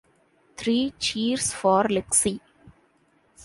Three cheers for Lexi!